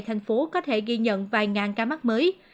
thành phố có thể ghi nhận vài ngàn ca mắc mới